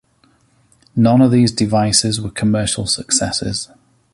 None of these devices were commercial successes.